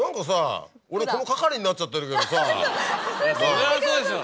それはそうでしょ。